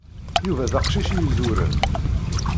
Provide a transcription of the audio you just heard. Yuba d aqcic i iẓewṛen.